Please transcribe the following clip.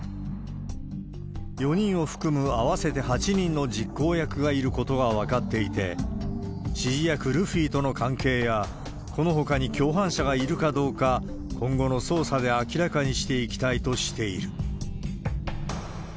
４人を含む合わせて８人の実行役がいることが分かっていて、指示役、ルフィとの関係や、このほかに共犯者がいるかどうか、今後の捜査で明らかにしていきたいとしている。